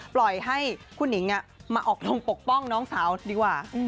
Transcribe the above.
ปล่อยให้คุณหนิงมาออกลงปกป้องน้องสาวดีกว่า